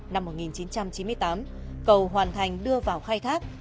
năm một nghìn chín trăm chín mươi tám cầu hoàn thành đưa vào khai thác